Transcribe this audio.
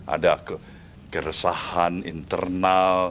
ada keresahan internal